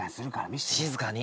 静かに。